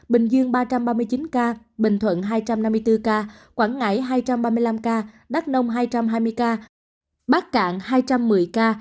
bình dương ba trăm ba mươi chín ca bình thuận hai trăm năm mươi bốn ca quảng ngãi hai trăm ba mươi năm ca đắk nông hai trăm hai mươi ca bắc cạn hai trăm một mươi ca